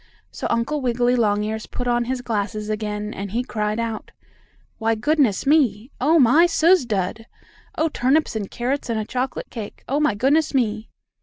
So Uncle Wiggily Longears put on his glasses again, and he cried out: "Why, goodness me! Oh, my suz dud! Oh, turnips and carrots and a chocolate cake! Oh, my goodness me!"